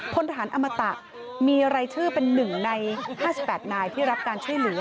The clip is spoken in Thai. พลทหารอมตะมีรายชื่อเป็น๑ใน๕๘นายที่รับการช่วยเหลือ